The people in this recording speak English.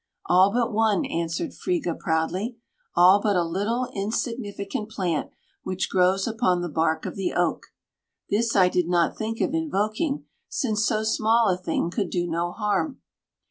"All but one," answered Friga proudly; "all but a little insignificant plant which grows upon the bark of the oak. This I did not think of invoking, since so small a thing could do no harm."